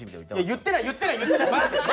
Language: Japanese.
言ってない言ってない。